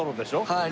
はい。